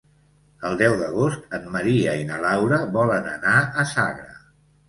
El deu d'agost en Maria i na Laura volen anar a Sagra.